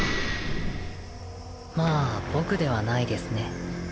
まあ僕ではないですね